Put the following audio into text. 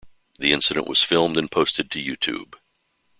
The incident was filmed and posted to YouTube.